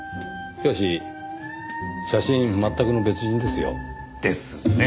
しかし写真全くの別人ですよ。ですね。